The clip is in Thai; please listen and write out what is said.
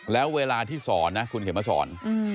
แล้วเวลาที่สอนนะคุณเขียนมาสอน